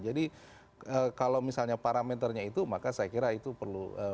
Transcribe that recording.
kalau misalnya parameternya itu maka saya kira itu perlu